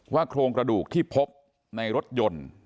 โครงกระดูกที่พบในรถยนต์